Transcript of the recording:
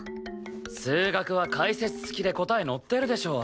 数学は解説付きで答え載ってるでしょ。